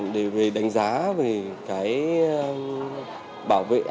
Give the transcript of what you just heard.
để về đánh giá về cái bảo vệ an toàn